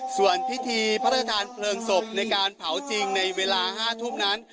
ส่วนพิธีพระราชทานเพลิงศพในการเผาจริงในเวลา๕ทุ่มนั้น